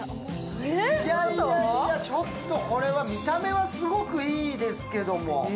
いやいやいや、ちょっとこれは、見た目はすごくいいですけれども。